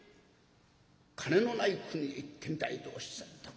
金のない国へ行ってみたいとおっしゃった。